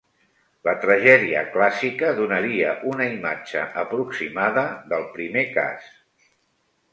La tragèdia clàssica donaria una imatge aproximada del primer cas.